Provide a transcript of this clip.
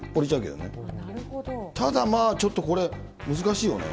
ただまあちょっとこれ、難しいよね。